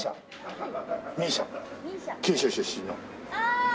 九州出身の。